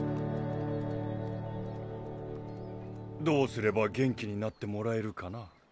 どうすれば元気になってもらえるかな？